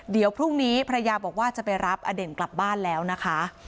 เดี๋ยวพรุ่งนี้ภรรยาบอกว่าจะไปรับอเด่นกลับบ้านแล้วนะคะ